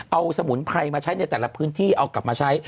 เอาสมุนไพรมาใช้ในแต่ละพื้นที่เอากลับมาใช้